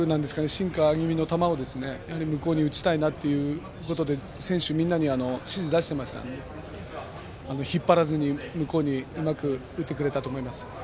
シンカー気味の球を向こうに打ちたいなということで選手みんなに指示を出していましたので引っ張らずに、向こうにうまく打ってくれたと思います。